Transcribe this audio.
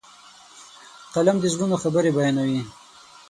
قلم د زړونو خبرې بیانوي.